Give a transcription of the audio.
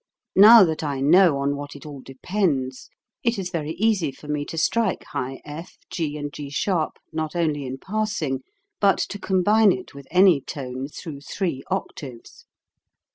Now that I know on what it all depends, it is very easy for me to strike high /, g and g* not only in passing, but to combine it with any tone through three octaves.